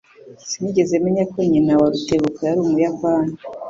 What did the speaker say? Sinigeze menya ko nyina wa Rutebuka yari Umuyapani.